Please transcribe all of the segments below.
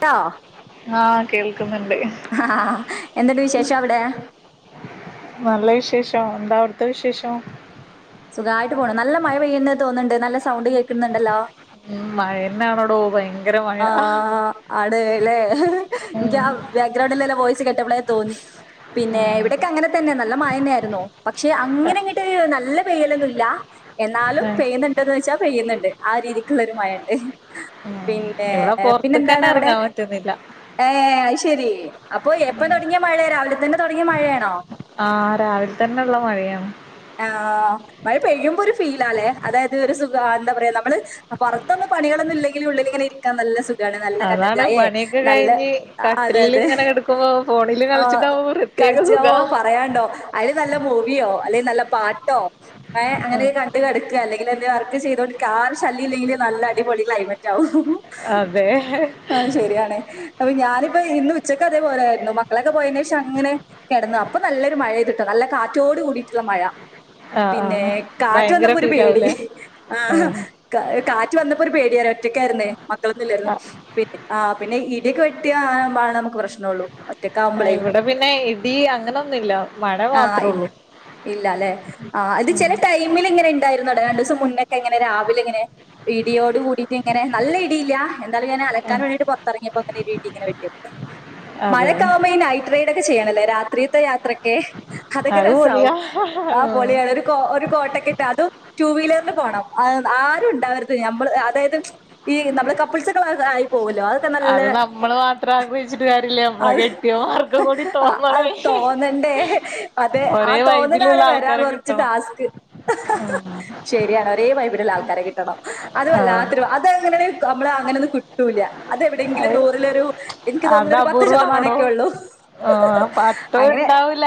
ട്ടോ ആഹ് കേൾക്കുന്നുണ്ട് അഹ് എന്ത്ണ്ട് വിശേഷം അവിടെ നല്ല വിശേഷം എന്താ അവിടുത്തെ വിശേഷം സുഖമായിട്ട് പോണു നല്ല മഴ പെയ്യുന്നുന്നത് തോന്നുന്നുണ്ട് നല്ല സൗണ്ട് കേൾക്കുന്നുണ്ടല്ലോ ഉം മഴതന്നാണടോ ഭയങ്ക ആഹ് അട അല്ലെ എനിക്ക് ഉം ആഹ് ബാക്ക്ഗ്രൗണ്ടില്ലല്ല വോയിസ് കെട്ടപ്പോള തോന്നി പിന്നെ ആഹ് ഇവിടൊക്കെ അങ്ങനെ തന്നെ നല്ല മയന്ന ആയിരുന്നു പക്ഷെ അങ്ങനെ അങ്ങിട്ട് നല്ല പെയ്യലൊന്നുല്ല എന്നാലും ആഹ് പെയ്യുന്നുണ്ടന്ന് വെച്ചാ പെയ്യുന്നുണ്ട് ആഹ് രീതിക്കുള്ള ഒരു മഴണ്ട് പിന്നെ ഇവിടെ പിന്നെന്താണ് പൊറത്ത്ക്കന്നെ അവിടെ എറങ്ങാൻ പറ്റുന്നില്ല ഏഹ് അത് ശെരി അപ്പൊ എപ്പം തുടങ്ങിയ മഴയ രാവിലെ തന്നെ തുടങ്ങിയ മഴയാണോ ആഹ് രാവിലെ തന്നെ ഉള്ള മഴയാണ് ആഹ് മഴ പെയ്യുമ്പോ ഒരു ഫീലാല്ലേ അതായത് ഒരു സുഖ എന്താ പറയാ നമ്മള് പുറത്തൊന്ന പണകളൊന്നും ഇല്ലെങ്കില് ഉള്ളിലിങ്ങനെ ഇരിക്കാ നല്ല സു ഖണ് നല്ല കട്ടൻ അതാണ് ചായെ പണിയൊക്കെ നല്ല കഴിഞ്ഞ് അതെ കട്ടിലിൽ അതെ ഇങ്ങനെ കെടക്കുമ്പോ ഫോണില് ആഹ് കളിച്ചിട്ടാവുമ്പോ പ്രത്യേക കഴിച്ച് ഓ സുഖാ പറയാണ്ടോ അതില് നല്ല മൂവിയോ അല്ലെങ്കി നല്ല പാട്ടോ ഏഹ് അങ്ങനെയൊക്കെ കണ്ട് കെടക്കാ അല്ലെങ്കി ല് വർക്ക് ചെയ്തോണ്ടിരിക്ക ആർക്കും ശല്യം ഇല്ലെങ്കിൽ നല്ല അടിപൊളി ക്ലൈമറ്റ് ആകും അതെ അതു ശരിയാണ് അപ്പൊ ഞാനിപ്പ ഇന്ന് ഉച്ചക്ക് അതേ പോലായിരുന്നു മക്കളൊക്കെ പോയതിന് ശേഷം അങ്ങനെ കിടന്ന് അപ്പൊ നല്ലൊരു മഴ പെയ്തട്ടോ നല്ല കാറ്റോട് കൂടിയിട്ടുള്ള മഴ ആഹ് പിന്നെ ആഹ് കാറ്റ് ഭയങ്കര വന്നപ്പോ ഒരു പേടി ഫീലാവൂലേ ആഹ് കാ കാറ്റ് വന്നപ്പോ ഒരു പേടിയാണ് ഒറ്റയ്ക്കായിരുന്നേ മക്കളൊന്നും ഇല്ലായിരുന്നു. പിന്നെ ആഹ് പിന്നെ ഇടിയൊക്കെ വെട്ടിയാ അപ്പാണ് നമുക്ക് പ്രശ്നം ഉള്ളൂ ആഹ് ഇവിടെ പിന്നെ ഇടി അങ്ങനൊന്നുല്ല മഴ ആ മാത്രം ഇല്ല ഉള്ളൂ. ഇല്ല അല്ലെ ആഹ് ഇത് ചില ടൈമില് ഇങ്ങനെ ഉണ്ടായിരുന്നുവിടെ രണ്ടു ദിവസം മുന്നൊക്കിങ്ങനെ രാവിലെ ഇങ്ങനെ ഇടിയോട് കൂടിയിട്ട് ഇങ്ങനെ നല്ല ഇടിയില്ല എന്തായാലും ഞാൻ അലക്കാൻ വേണ്ടിട്ട് പുറത്തിറങ്ങിയപ്പോ ഇങ്ങനെ ഒരു ഇടി വെട്ടിങ്ങനെ വെട്ടി അതെ മഴയൊക്കാവുമ്പോ ഈ നൈ റ്റ് റൈഡൊക്കെ ചെയ്യണോല്ലെ രാത്രീൽത്തെ യാത്രയൊക്കെ അതൊക്കെ അത് രസാവും പൊളിയാ ആഹ് ഉം. പൊളിയാണൊരു കോ ഒരു കോട്ടൊക്കെട്ട് അതും ടൂവീലറിൽ പോണം ആരും ഉണ്ടാവരു ത് നമ്മള് അതായത് ഈ നമ്മള് കപ്പിൾസൊക്കെ ആയി പോകല്ലോ അ ത് നല്ല അത് നമ്മള് മാത്രം ആഗ്രഹിച്ചിട്ട് കാര്യല്ല നമ്മളെ അത് കെട്ടിയോമാർക്കും കൂടി തോന്നണേ അത് തോന്നണ്ടേ അതെ ഒരേ ആഹ് വൈബിലുള്ള തോന്നലാണ് വരാൻ ആൾക്കാരെ കൊറച്ച് കിട്ടണം ടാസ്ക്ക് ശരിയാണ് ഒരേ വൈബിലുള്ള ആൾക്കാരെ കിട്ടണം അത് ആഹ് വല്ലാത്തൊരു ഭാ അത് അങ്ങനാണേ നമ്മള് അങ്ങനൊന്നും കിട്ടൂല അതെവിടെയെങ്കിലും അത് നൂറിലൊരു എനിക്ക് തോന്നണു ഒരു പത്ത് ശതമാനമൊക്കെ ഉള്ളു ഓഹ് പത്തും ഇണ്ടാവൂല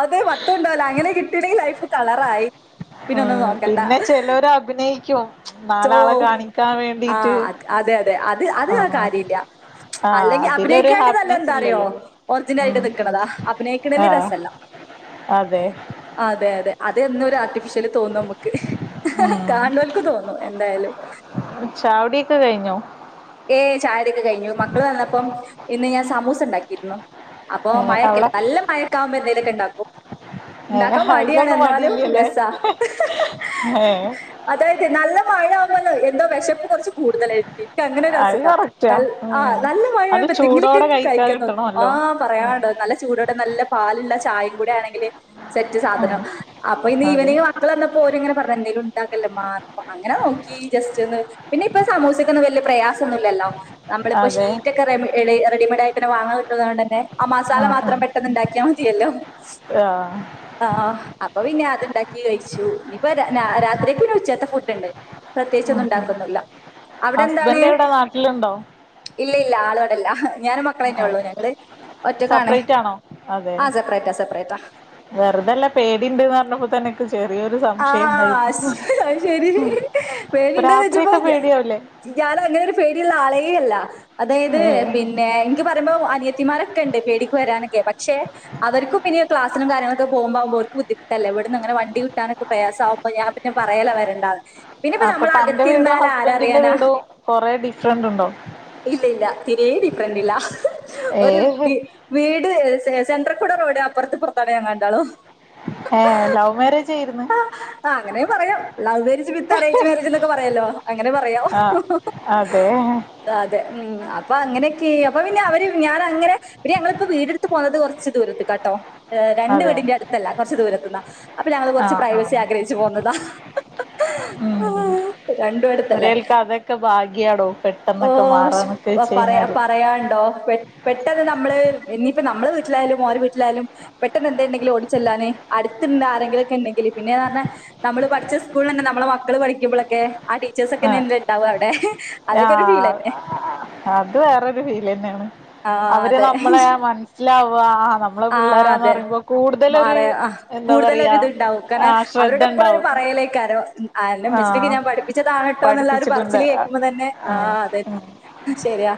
അതെ പത്തും ഉണ്ടാവൂല്ലാ അങ്ങനെ കിട്ടിയണങ്കി ലൈഫ് കളറായി പിന്നൊന്നും ഉം പിന്നെ നോക്കണ്ട. ചിലര് അഭിനയിക്കും റ്റോ നാലാളെ കാണിക്കാൻ വേണ്ടിട്ട് ആഹ് അതെ അതെ അത് അത് ആഹ് കാര്യല്ല ആഹ് അല്ലെങ്കിൽ അതിലൊരു അഭിനയിക്കാട്ടി നല്ല ഹാപ്പിനെസ് എന്താറിയോ ഇല്ലല്ലോ ഒറിജിനൽ ആയിട്ട് ഉം നിക്കണതാ അഭിനയിക്കണേല് ആഹ് രസ ഇല്ല അതെ അതെ അതെ അത് എന്നും ഒരു ആർട്ടിഫിഷ്യല് തോന്നും നമ്മക്ക് കാണുന്നവൾക്ക് തോന്നും എന്തായാലും ചാ കുടിയൊക്കെ കഴിഞ്ഞോ ഏയ് ചായ കുടിയൊക്കെ കഴിഞ്ഞു മക്കള് വന്നപ്പം ഇന്ന് ഞാൻ സമൂസ ഉണ്ടാക്കിയിരുന്നു അപ്പൊ ഏ അവിടെ മഴയൊക്കെല്ലേ നല്ല മഴയൊക്കാകുമ്പോ എന്തേലൊക്കെ ഉണ്ടാക്കും ഏ ഉണ്ടാക്കാൻ മടിയാണ് അയിലൊന്നും എന്നാലും മടിയില്ലല്ലേ രസാ ഏ അതായതെ നല്ല മഴ ആവുമ്പോ എന്തോ വിശപ്പ് കുറച്ച് കൂടുതലാ എനിയ്ക്ക് അങ്ങനെ ഒരു അത് അസുഖ കറക്റ്റാ ന ആഹ് ഉം നല്ല അത് മഴയാവുമ്പേ എന്തെങ്കിലൊക്കെ ചൂടോടെ കഴിക്കാൻ തോന്നും കിട്ടണല്ലോ ആഹ് ഉം പറയാൻണ്ടോ നല്ല ചൂടോടെ നല്ല പാലുള്ള ചായ കൂടാണെങ്കിൽ സെറ്റ് ഉം സാധനം അപ്പൊ അതെ ഇന്നീവനിങ്ങ് വ മക്കൾ വന്നപ്പോ ഓരിങ്ങനെ പറഞ്ഞ് എന്തേങ്കിലും ഉണ്ടാക്കല്ലെമ്മാ അങ്ങനെ നോക്കി ജസ്റ്റ് ഒന്ന് പിന്നെ ഇപ്പ സമൂസക്കൊന്നും വല്യ പ്രയാസം ഒന്നൂല്ലല്ലോ നമ്മളിപ്പോ അതെ ഷീറ്റ് ഒക്കെ റെമ ളെ റെഡിമെയ്ഡ് ആയിട്ടന്നെ വാങ്ങാൻ കിട്ടന്നതുകൊണ്ട് തന്നെ ആഹ് മസാല മാത്രം പെട്ടെന്ന് ഉണ്ടാക്കിയാൽ മതിയല്ലോ ആഹ് ആഹ് അപ്പൊ പിന്നെ അതുണ്ടാക്കി കഴിച്ചു ഇനിയിപ്പ രാ രാത്രിക്ക് പിന്നെ ഉച്ചത്തെ ഫുഡ് ഉണ്ട് പ്രത്യേകിച്ചൊന്നും ഉണ്ടാക്കുന്നൂല്ല അവിടെ എന്താണ് ഹസ്ബന്റ് ഇവിടെ നാട്ടിലുണ്ടോ ഇല്ല ഇല്ല ആളു ഇവിടല്ല ഞാനും മക്കളും ആ തെന്നെയുള്ളൂ ഞങ്ങള് ഒറ്റക്കാണ് സെപ്പറേറ്റ് ആണോ ആഹ് സെപ്പറേറ്റാ സെപ്പറേറ്റാ വെറുതല്ല പേടീണ്ട്ന്ന് പറഞ്ഞപ്പോ തന്നെ എനക്ക് ചെറിയൊരു സംശയം ഉണ്ടായി ആഹ് അത് ശരി രാത്രിയൊക്കെ പേടിയാവൂല്ലേ ഇയാള് അങ്ങനൊരു പേടിയുള്ള ആളേയല്ല അതായത് ഏ പിന്നെ എനിയ്ക്ക് പറയുമ്പോ അനിയത്തിമാരൊക്കെ ഉണ്ട് പേടിക്ക് വരാനൊക്കെ പക്ഷെ അവർക്കും പിന്നെ ക്ലാസിനും കാര്യങ്ങളും ഒക്കെ പോകുമ്പോ ആവുമ്പോ ഓര്ക്ക് ബുദ്ധിമുട്ടല്ലേ ഇവടന്ന് അങ്ങനെ വ വണ്ടി കിട്ടാനൊക്കെ പ്രയാസ ആകുമ്പോ ഞാൻ പിന്നെ പറയലാ വരേണ്ട പിന്ന ഇപ്പ അപ്പൊ നമ്മള് അകത്തിരുന്നാലും ആര് അറിയാനാ കൊറേ ഡിഫറന്റ് ഉണ്ടോ ഇല്ല ഇല്ല തീരെ ഡിഫറന്റ് ഇല്ല ഒരു ഏ വീട് സെന്റർ കൂടെ റോഡ് അപ്പുറത്ത് ഇപ്പുറത്തും ആണ് ഞാങ്ങൾ രണ്ടാളും ഏ ലവ് മാരേജ് ആയിരുന്ന് ആ അങ്ങനെയും പറയാം ലവ് മേ മേരേജ് വിത്ത് അറേഞ്ച് മാരേജ് എന്നൊക്കെ പറയല്ലോ അങ്ങനെ പറയാ ആ അതെ അതെ ഉം അപ്പൊ അങ്ങനെയൊക്കെ അപ്പൊ പിന്നെ അവര് ഞാൻ അങ്ങനെ പിന്ന ഞങ്ങളിപ്പോ വീടെടുത്ത് പോന്നത് കൊറച്ച് ദൂരത്ത്ക്കാട്ടോ ഏ രണ്ട് അതെ വീടിന്റെ അടുത്തല്ല കുറച്ച് ദൂരത്ത്ന്നാ അപ്പൊ ഞങ്ങൾ കുറച്ച് ആഹ് പ്രൈവസി ആഹ് ആഗ്രഹിച്ചു പോന്നതാ ഉം രണ്ടും അടുത്തല്ലേ ഒരുനെലക് അതൊക്കെ ഭാഗ്യാടോ പെട്ടെന്നൊക്കെ മാറാന്നൊക്കെ വെച്ച് കഴിഞ്ഞാല് പറയാനുണ്ടോ പെട്ടെന്ന് നമ്മള് ഇീനീയിപ്പോ നമ്മെളെ വീട്ടിലായാലും ഓരെ വീട്ടിലായാലും പെട്ടെന്ന് എന്തേണ്ടെങ്കിലും ഓടി ചെല്ലാൻ അടുത്ത്ള്ള ആരെങ്കിലൊക്കെ ഉണ്ടങ്കി പിന്നൊന്നറാഞ്ഞാ നമ്മള് പഠിച്ച സ്കൂളന്നെ നമ്മളെ മക്കള് പഠിക്കുമ്പോളൊക്കെ ആ ടി ടീച്ചേഴ്സ് ആഹ് ഒക്കെന്നെല്ലേ ഇണ്ടാവാ അവിടെ അതൊക്കെ ഒരു ആഹ് ഫീൽന്നെ അത് വേറൊരു ഫീലെന്നെയാണ് ആ അവര് അതെ നമ്മളെ മനസ്സിലാവ ആ നമ്മളെ ആ പിള്ളേരാന്ന് അതെ പറയുമ്പോ കൂടുതലൊരു മാറെ വ എന്താ കൂടുതലൊരു പറയാ ഇത്ണ്ടാവും ആ കാരണം അവരോട് ശ്രദ്ധ എപ്പോളും അത്‌ ഉണ്ടാവും പറയലേക്കാരം അന്റെ ഇമ്മച്ചിനെ ഒകെ ആഹ് ഞാൻ പഠി പഠിപ്പിച്ചതാണ് ട്ടോ എന്നുള്ള ആഒരു പഠിപ്പിച്ചിട്ടുണ്ട് പറച്ചില് ആഹ് കേൾക്കുമ്പോ തന്നെ ആ അതെ ശരിയാ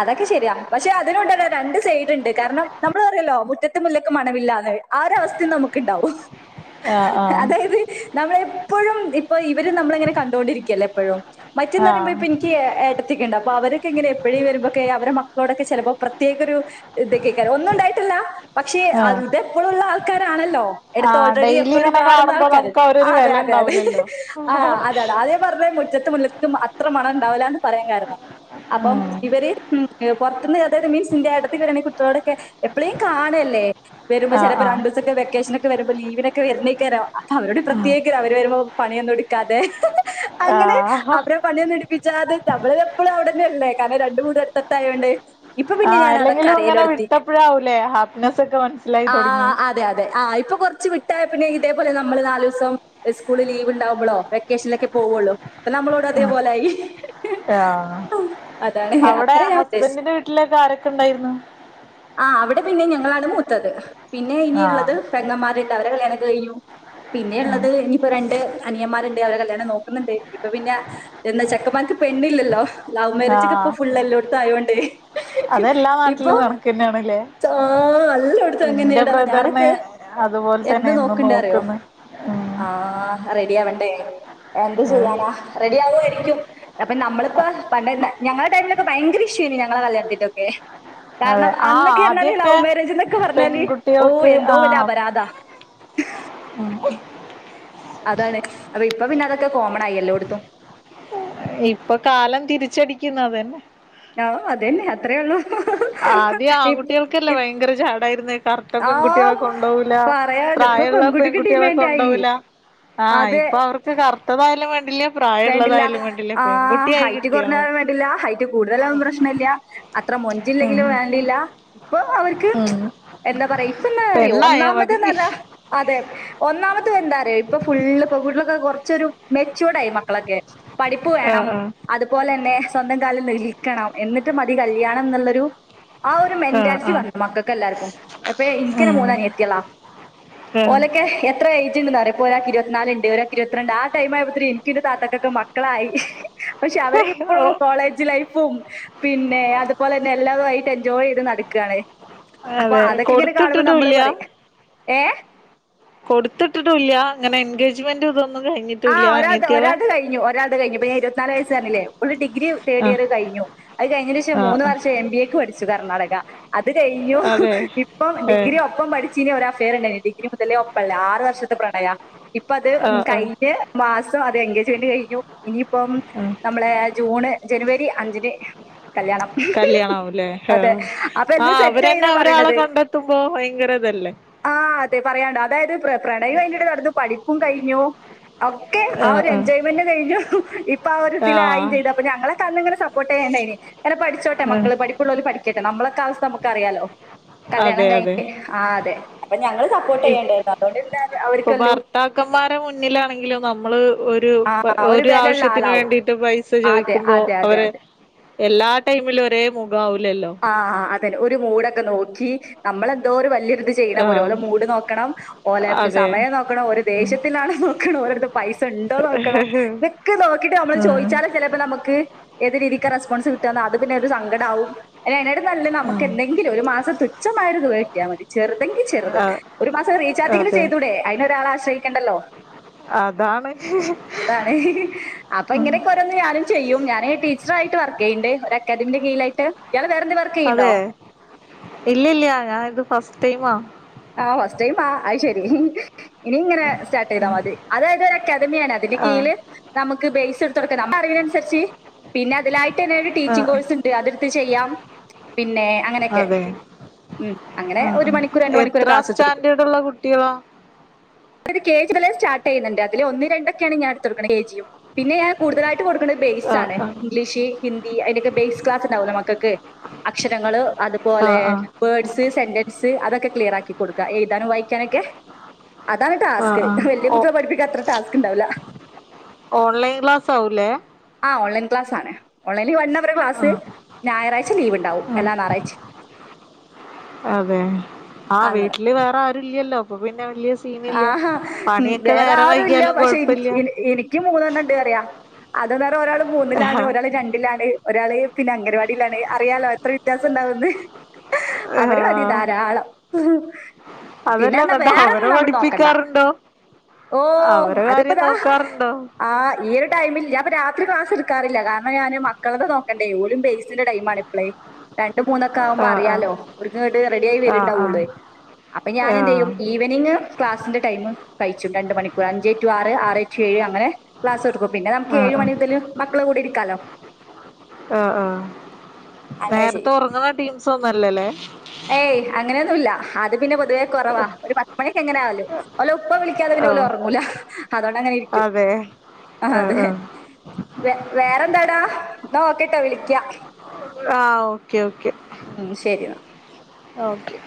അതൊക്കെ ശരിയാ പക്ഷെ അതിനും ഇണ്ടല്ലോ രണ്ട് സൈഡ് ഇണ്ട് കാരണം നമ്മള് പറിയല്ലോ മുറ്റത്തെ മുല്ലക്ക് മണമില്ലാന്ന് ആ ഒരു അവസ്ഥയും നമുക്ക്ണ്ടാവും ആഹ് ആഹ് അതായത് നമ്മളെപ്പോഴും ഇപ്പ ഇവര് നമ്മളെ ഇങ്ങനെ കണ്ടോണ്ടിരിക്കല്ലേ എപ്പഴും മറ്റ്ന്നെറയുമ്പോ ഇപ്പ ആഹ് എനിക്ക് ഏട്ട ത്തിയൊക്കെണ്ട് അവരൊക്കെങ്ങനെ എപ്പോഴും വരുമ്പൊക്കെ അവരെ മക്കളോടൊക്കെ ചിലപ്പോ പ്രത്യേകൊരു ഇതൊ കേക്ക ഒന്നും ഉണ്ടായിട്ടില്ല പക്ഷേ ആഹ് ഇത എപ്പോഴള്ള ആൾക്കാരാണല്ലോ എടുത്ത് ആഹ് ഓൾറെഡി ഡെയിലി എപ്പയും ഇങ്ങനെ കാണുന്ന കാണുമ്പോ ആൾകാര് നമുക്ക് അവരൊരു അതെ വെല അതെ അതെ ഉണ്ടാവൂലല്ലോ ആ അതെ തെ പറഞ്ഞെ മുറ്റത്തെ മുല്ലക്കും അത്ര മണം ഉണ്ടാവൂല്ല എന്ന് പറയാൻ കാരണം അപ്പം ആഹ് ഇവര് ഉം പുറത്തുന്ന് അതായത് മീൻസ് ഇന്റെ ഏട്ടത്തിന്റ രണ്ട് കുട്ടിയാളോടൊക്കെ എപ്പളെലു കാണെല്ലേ വരുമ്പോ ചിലപ്പോ ആഹ് രണ്ട് ദിവസക്കെ വെക്കേഷന് ഒക്കെ വരുമ്പോ ലീവിനൊക്കെ വരുന്നേക്കാരം അവരോട് പ്രത്യേകം അവര് വരുമ്പോ പണിയൊന്നും എടുക്കാതെ അങ്ങനെ ആഹ് അവരെ പണിയൊന്നും എടിപ്പിച്ചാതെ നമ്മള് എപ്പോളും ഇ വിടെന്നെ ഉള്ളേ കാരണം രണ്ട് വീടും അടുത്തടുത്തായോണ്ട് ഇപ്പൊ പിന്നെ ആഹ് ഞാൻ അതൊക്കെ അല്ലെങ്കിലും ഇങ്ങനെ അറിയലൊടുത്തി വിട്ടപ്പോഴാവൂലേ ഹാപ്പിനെസ്സ ഒക്കെ മനസ്സിലായി ആ തുടങ്ങിയെ അതെ അതെ ആ ഇപ്പ കൊറച്ച് വിട്ടായെ പിന്നെ ഇതേപോലെ നമ്മള് നാല് ദിവസം സ്കൂൾ ലീവ് ഉണ്ടാവുമ്പോളോ വെക്കേഷനൊക്കെ പോവുള്ളൂ അപ്പൊ നമ്മളോട് അതേപോലൊയി അവിടെ ഉദ്ദേശിച്ചത് ഹസ്ബൻ്റ് ന്റെ വീട്ടിലൊക്കെ ആരൊക്കെ ഉണ്ടായിരുന്നു ആ അവിടെ പിന്നെ ഞങ്ങളാണ് മൂത്തത് പിന്നെ ആഹ് ഇനിയുള്ളത് പെങ്ങമാര് അവരുടെ കല്യാണം ഒകെ കഴിഞ്ഞു പിന്നെ ഉള്ളത് ഇനിയിപ്പോ രണ്ട് അനിയന്മാരുണ്ട് അവരെ കല്യാണം നോക്കുന്നുണ്ട് ഇപ്പൊ പിന്നെ എന്താ ചെക്കൻ മാർക്ക് പെണ്ണില്ലല്ലോ ലവ് മേരേജ് ഒക്കെ ഇപ്പൊ ആഹ് ഫുൾ എല്ലോടത്തും ആയോണ്ട് അതെല്ലാ ഇപ്പൊ നാട്ടിലും കണക്കന്നെയാണല്ലേ ആ എല്ലോടത്തും അങ്ങനെ ന്നെ ഡാ ഞാനൊക്കെ അതുപോല്തെന്നെ എന്ന് നോക്കണ്ട് അറിയോ നോക്കുന്നെ ആഹ് റെഡി ആവട്ടെ എന്ത് ചെയ്യാനാ റെഡി ആവുമായിരിക്കും അപ്പൊ നമ്മളിപ്പോ പണ്ടെ ഞങ്ങളെ ടൈമിലൊക്കെ ഭയങ്കര ഇഷ്യൂയെനി ഞങ്ങളെ കല്യാത്തിന്റെയൊക്കെ അതെ കാരണം ആഹ് അന്നൊക്കെ പറഞ്ഞാല് ആദ്യൊക്കെ ലവ് മാരേജ് എന്നൊക്കെ പറഞ്ഞാല് ഓ എന്തോ വല്യ അപരാധാ ഉം അതാണ് അപ്പൊ ഇപ്പൊ പിന്നെ അതൊക്കെ കോമൺ ആയി എല്ലോട് ത്തും ഇപ്പൊ കാലം തിരിച്ചടിക്കുന്ന അതെന്നെ അതന്നെ അത്രേ ഒള്ളും ആ ആദ്യം ആൺകുട്ടികൾക്കല്ലേ ഭയങ്കര ചാടായിരുന്നെ കറുത്ത ആഹ് പെൺകുട്ടികളെ കൊണ്ടോവൂല പറയാണ്ട് ഇപ്പൊ പ്രായമുള്ള പെൺകുട്ടിക്ക് പെൺകുട്ടികളെ ഡിമാൻഡ് ആയി കൊണ്ടോവൂല ആഹ് അതെ ഇപ്പൊ അവർക്ക് കറുത്തതായാലും വേണ്ടില്ല വേണ്ടില്ല പ്രായമുള്ളതായാലും വേണ്ടില്ല ആ പെൺകുട്ടിയായി ഹൈറ്റ് കിട്ടിയാ കുറഞ്ഞ മതി തായാലും വേണ്ടില്ല ഹൈറ്റ് കൂടുതലായാലും പ്രശ്ന ഇല്ല അത്ര ഉം മൊഞ്ചില്ലെങ്കിലും വേണ്ടില്ല ഇപ്പൊ അവർക്ക് ഉം എന്താ പറയാ ഇപ്പൊ എന്നാ അറിയോ പെണ്ണായാ ഒന്നാമത് മതി ന്ന് പറഞ്ഞ അതെ ഒന്നാമത് എന്താറ ഇപ്പൊ ഫുള് പെൺകുട്ടികലൊക്കെ കുറച്ചൊരു മെച്യൂർഡ ആയി മ മക്കളൊക്കെ പഠിപ്പ് വേണം ആഹ് അതുപോലെ തന്നെ സ്വന്തം കാലിൽ നിൽക്കണം എന്നിട്ട് മതി കല്യാണം എന്നുള്ളൊരു ആ ഒരു ആഹ് മെന്റാലിറ്റി ആഹ് ആഹ് വന്നു മക്കൾക്ക് എല്ലാവർക്കും അപ്പൊ ഇന്ക്ക് തന്നെ ഉം മൂന്ന് അനിയത്തിയളാ ആഹ് ഓലക്കെ എ എത്ര ഏജ് ഉണ്ടെന്നറ ഇപ്പോ ഒരാക്ക് ഇരുപത്തിനാലുണ്ട് ഒരാൾക്ക് ഇരുപത്തി രണ്ട് ആ ടൈം ആയപ്പോഴേക്കും എനിക്കും എൻ്റെ താത്താക്കൊക്കെ മക്കളായി പക്ഷെ അവര് ഇപ്പോഴും കോളേജ് ലൈഫും പിന്നെ അതുപോലെ തന്നെ എല്ലാമായിട്ട് എൻജോയ് ചെയ്ത് നടക്കുകയാണ്. അപ്പൊ അതെ അതൊക്കെ ഇങ്ങനെ കാണുമ്പോ നമ്മള് കൊടുത്തിട്ടിട്ടുംല്ല ഇങ്ങനെ പറയും ഏഹ് കൊടുത്തിട്ട് ട്ടു ലിയ അങ്ങനെ എൻഗേജ്മെന്റ് ഇതൊന്നും കഴിഞ്ഞിട്ട് ആ ഒരാൾ ഒരാൾ കഴിഞ്ഞു ഒരാൾ കഴിഞ്ഞു ഇപ്പോ ഇരുപത്തിനാല് വയസ് പറഞ്ഞില്ലേ ഓൾ ഡിഗ്രി തേർഡ് ഇയർ ആഹ് കഴിഞ്ഞു അത് കഴിഞ്ഞതിൻ്റെ ശേഷം ആഹ് മൂന്ന് ആഹ് വർഷം എം ബി എക്ക് പഠിച്ചു കർണാടക അത് കഴിഞ്ഞു അതെ. ഇപ്പം ഏഹ്. ഡിഗ്രി ഒപ്പം പഠി ചീനിയ ഒരു അഫയർ ഉണ്ടായിന് ഡിഗ്രി മുതലേ ഒപ്പമുള്ള ആറ് വർഷത്തെ പ്രണയം ഇപ്പ അത് ആഹ് ക ആഹ്. കഴിഞ്ഞ മാസം അത് എൻഗേജ്മെന്റ് കഴിഞ്ഞു ഇനിയിപ്പം നമ്മളെ ജൂണ് ജനുവരി അഞ്ച [unintelligible] കല്യാണം കല്യാണാവുംല്ലേ? അതെ ആഹ്. അപ്പൊ എല്ലാം ആഹ് സെറ്റ് അവരെന്നെ ആയിന്നാ അവരാളെ പറയണത് കണ്ടെത്തുമ്പോ ഭയങ്കര ഇതല്ലേ? ആ അതെ പറയാണ്ടോ അതായത് പ്ര പ്രണയം അതിന്റെടെ നടന്ന് പഠിപ്പും കഴിഞ്ഞു ഒക്കെ ആ ആഹ് ഒരു ആഹ്. എൻജോയ്മെന്റ് കഴിഞ്ഞു ഇപ്പൊ ആ ഒരു ഇതില ആയും ആഹ്. ചെയ്ത അപ്പൊ ഞങ്ങള് അന്നങ്ങനെ സപ്പോർട്ട് ചെയ്യണ്ടായി പിന്ന പഠിച്ചോട്ടെ ആഹ്. മക്കള് പടിപ്പുള്ളോൽ പഠിക്കട്ട നമ്മളെ ഒകെ അവസ്ഥ നമുക്കറിയാലോ കല്യാണം അതെ അതെ. കഴിഞ്ഞ ആ അതെ അപ്പൊ ഞങ്ങൾ സപ്പോർട്ട് ചെയ്യേണ്ടായിരുന്നു അതുകൊണ്ട് ഇന്ന് അവർക്കല്ലോ കാക്കന്മാരെ മുന്നിലാണെങ്കിലും നമ്മള് ഒരു ആ ഒരു വെലയുള്ള ആവശ്യത്തിന് ആളാവും വേണ്ടിട്ട് പൈസ അതെ ചോദിക്കുമ്പോ അതെ അതെ അതെ അവരെ എല്ലാ ടൈമിലും ഒരേ മുഖാവൂലല്ലോ ആഹ് അതെ ഒരു മൂടൊക്കെ നോക്കി നമ്മളെന്തോ ഒരു വല്ല്യ ചെയ്ണാ ആഹ്. പോലെ മൂഡ് നോക്കണം ഓലെ അതെ. സമയം നോക്കണം ഉം. ദേശ്യത്തിലാണോ നോക്കണം ഓരട്ത്ത് പൈസണ്ടോ നോക്കണം ദൊക്കെ നോക്കിട്ട് നമ്മള് ഉം. ചോയിച്ചാലോ ചെലേപ്പോ നമുക്ക് ഏത് രീതിക്കാ റെസ്പോൺസ് കിട്ടാന്നോ അത് പിന്നെ ഒരു സങ്കടാവും എന്നട് നല്ല നമുക്ക് ഉം. എങ്കിലും ഒരു മാസം തുച്ഛമായൊരു തുക കിട്ടിയാൽ മതി ചെറുതെങ്കി ചെറുത് ആഹ്. ഒരു മാസം റീചാർജെങ്കിലും അതെ. ചെയ്തുടെ അതിനൊരാളെ ആശ്രയിക്കണ്ടല്ലോ അതാണ്. അതാണ് അപ്പൊ ഇങ്ങനൊ ഞാനും ചെയ്യും ഞാന് ടീച്ചറായിട്ട് വർക്ക് ചെയ്യ്ണ്ട് ഒരു അക്കാദമിൻ്റെ കീഴാലായിട്ട് ഇയാൾ വേറെന്തേ വർ അതെ ഇല്ല്യല്ല ഞാൻ ഇത് ഫസ്റ്റ് ടൈമാ ആഹ് ഫസ്റ്റ് ടൈമാ അയ്ശെരി ഇനി ഇങ്ങനെ സ്റ്റാർട്ട് ചെയ്താൽ മതി അതായത് ഒരു അക്കാദമിയാണ് അതിന്റെ ആഹ് കീഴില് നമുക്ക് ബേസ് എടുത്ത് കൊടുക്കാം നമ്മുടെ അറിവിനുസരിച്ച് പിന്നെ അതിലായിട്ട്ന്നെ ഒരു ടീച്ചിങ് ആഹ് കോഴ്സ് ഉണ്ട് അതെടുത്ത് ചെയ്യാം പിന്നെ അങ്ങനെയൊക്കെ അതെ ഉം അങ്ങനെ ഒരു മണിക്കൂർ രണ്ട് മണിക്കൂർ. എത്ര ക്ലാസ് എടുത്തെടുക്കും സ്റ്റാൻഡേർഡ് ഉള്ള കുട്ടികളോ [unintelligible] കെ ജി മുതൽ സ്റ്റാർട്ട് ചെയ്യുന്നുണ്ട് അതില് ഒന്ന് രണ്ടൊക്കെയാണ് ഞാൻ ഇട്തൊട്ക്ക്ണേ കെ ജിയും. പിന്നെ ഞാൻ കൂടുതലായിട്ട് കൊടുക്കുന്നത് ആഹ് ബേഴ്സാണ് ആഹ് ഇംഗ്ലീഷ് ഹിന്ദി അതിനൊക്കെ ബേസ് ക്ലാസ് ഉണ്ടാവല്ലോ മക്കക്ക് അക്ഷരങ്ങള് അതുപോലെ ആഹ് ആഹ് വേർഡ്സ് സെന്റൻസ് അതൊക്കെ ക്ലിയർ ആക്കി കൊടുക്കാ എഴുതാനും വായിക്കാനൊക്കെ അതാണ് ആഹ് ടാസ്ക് ആഹ് വല്ല്യ ഓ കുട്ടികളെ പഠിപ്പിക്കാൻ അത്ര ടാസ്ക് ഉണ്ടാവില്ല ഓൺലൈൻ ക്ലാസ് ആവൂല്ലേ ആ ഓലൈൻ ക്ലാസ്സാണ് ഓൺലൈനിൽ വൺ അവർ ക്ലാസ് ആഹ് ഞായറാഴ്ച ലീവ് ഉണ്ടാവും ആഹ് എല്ലാ ഞായറാഴ്ചിം അതെ ആഹ് അങ്ങനെ വീട്ടില് വേറെ ആരുല്ലല്ലോ അപ്പൊ പിന്നെ വലിയ സീനില്ല ആഹാ പണിയൊക്കെ വേറെ നേരം ആരും ഇല്ല വൈകിയാലും പക്ഷെനി കൊഴപ്പില്ല എനി എനി- എക്ക് മൂന്നെണ്ണം ഉണ്ട്ന്ന് പറിയാ അത് വേറെ ഒരാള് മൂന്നിലാണ് ആഹ് ഒരാള് രണ്ടിലാണ് ഒരാള് പിന്നെ അംഗൻവാടിയിലാണ് അറിയാലോ എത്ര വ്യത്യാസം ഉണ്ടാവുംന്ന് അവര് മതി ആഹ് ധാരാളം പിന്നെ അതല്ലാ എന്നാ നട്ട് വേറെ അവരെ ഒന്നും നമ്മൾ നോക്കണ്ട പഠിപ്പിക്കാറുണ്ടോ ഓ അവരെ അതിപ്പോ കാര്യം ദാ നോക്കാറുണ്ടോ ആഹ് ഈ ഒരു ടൈമില്ലാ അപ്പ രാത്രിക്ലാസ് എടുക്കാറില്ല കാരണം ഞാന് മക്കളെത് നോക്കണ്ടേ ഓലും ബേസിന്റെടൈം ആണ് ഇപ്പളെ രണ്ടും മൂന്നൊക്കെ ആവുമ്പോ ആഹ് ആഹ് അറിയാലോ ഓര്ക്കിങ്ങട്ട് റെഡി ആയി ആഹ് വരുന്നുണ്ടാവുള്ളൂ ആഹ് അപ്പൊ ഞാനെന്ത് ചെയ്യും ആഹ് ഈ- ഈവനിംഗ് ക്ലാസിന്റെ ടൈം കഴിച്ചും രണ്ട് മണിക്കൂർ അഞ്ച് ടു ആറ് ആറ് ടു ഏഴ് അങ്ങനെ ക്ലാസ്ടുക്കും പിന്നെ നമുക്ക് ആഹ് ഏഴ് ആഹ് മണിമുതൽ മക്കളെ കൂടെ ഇരിക്കാലോ ആഹ് ആഹ് അങ്ങനെ നേരത്തെ ചെയ്യും ഉറങ്ങുന്ന ടീംസ് ഒന്നും അല്ലലേ ഏയ് അങ്ങനെയൊന്നുമില്ല അത് പിന്നെ പൊതുവേ കുറവാ ഒരു പത്ത് മണിയൊക്കെ എങ്ങനെ ആവല്ലും ഓലെ ഉപ്പ വിളിക്കാതെ പിന്നെ ഓല് ആഹ് ഉറങ്ങൂല അതുകൊണ്ട് അങ്ങനെ ഇരിക്കും അതെ ആഹ് അതെ വെ വേറെന്താടാ എന്നാ ഓക്കെട്ടോ വിളിക്ക്യാ ആഹ് ഓക്കെ ഓക്കെ ഉം ശരി ന്നാ. ഓക്കെ